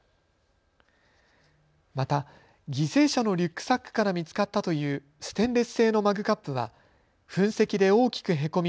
また犠牲者のリュックサックから見つかったというステンレス製のマグカップは噴石で大きくへこみ